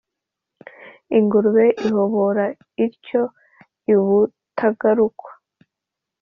Ingurube ihoroba ityo ibutagarukwa